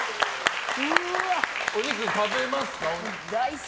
お肉食べますか？